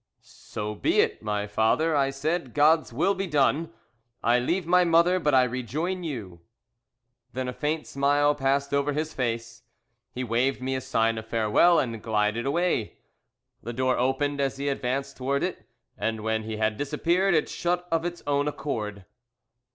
"'So be it, my father,' I said; 'God's will be done. I leave my mother, but I rejoin you.' "Then a faint smile passed over his face, he waved me a sign of farewell and glided away. "The door opened as he advanced towards it, and when he had disappeared it shut of its own accord."